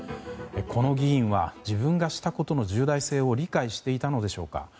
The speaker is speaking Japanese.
この議員は自分がしたことの重大性を理解していたのでしょうか。